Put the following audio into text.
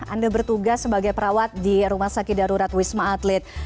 anda bertugas sebagai perawat di rumah sakit darurat wisma atlet